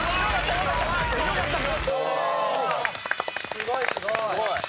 すごいすごい！